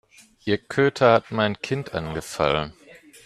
Ihr Köter hat mein Kind angefallen.